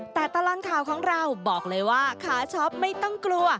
แต่ตลอดข่าวของเราบอกเลยว่าขาช็อปไม่ต้องกลัว